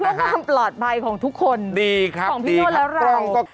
เครื่องความปลอดภัยของทุกคนของพี่โนแล้วเรา